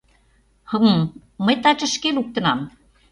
— Гм-м... мый таче шке луктынам...